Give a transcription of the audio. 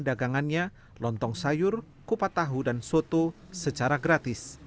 dagangannya lontong sayur kupat tahu dan soto secara gratis